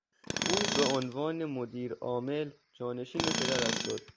او به عنوان مدیر عامل جانشین پدرش شد.